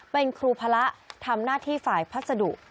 เป็นครูพระทำหน้าที่ฝ่ายพัสดุ